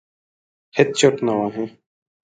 هېڅ چرت نه وهي.